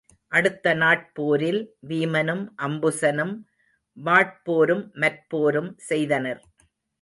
அடுத்த நாட் போரில் வீமனும் அம்புசனும் வாட் போரும் மற்போரும் செய்தனர்.